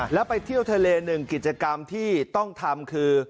แล้วไปเที่ยวทะเลหนึ่งกิจกรรมที่ต้องทำคือ